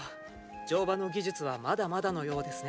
乗馬の技術はまだまだのようですね。